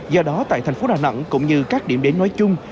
do đó tại thành phố đà nẵng cũng như các điểm đến nói chung